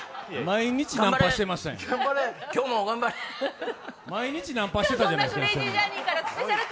毎日ナンパしてたじゃないですか。